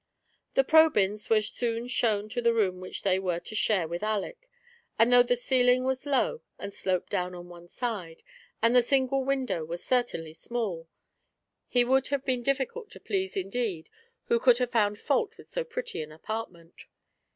The Probyns were soon shown to the room which they were to share with Aleck; and though the ceiling was low, and sloped down on one side, and the single window was certainly small, he would have been difficult to please indeed, who could have found fault with so pretty an apartnient.